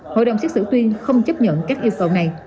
hội đồng xét xử tuyên không chấp nhận các yêu cầu này